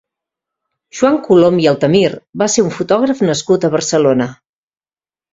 Joan Colom i Altemir va ser un fotògraf nascut a Barcelona.